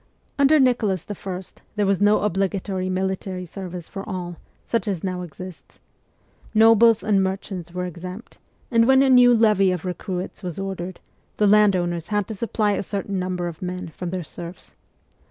Under Nicholas I. there was no obligatory military service for all, such as now exists. Nobles and mer chants were exempt, and when a new levy of recruits was ordered, the landowners had to supply a certain number of men from their serfs.